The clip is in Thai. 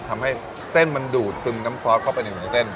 ทำให้เส้นมันดูดซึมน้ำซอสเข้าไปในหมูเส้น